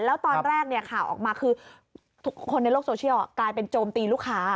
แล้วตอนแรกข่าวออกมาคือคนในโลกโซเชียลกลายเป็นโจมตีลูกค้า